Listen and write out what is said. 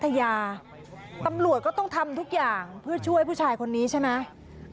ตำรวจก็ต้องทำทุกอย่างเพื่อช่วยผู้ชายคนนี้ใช่ไหม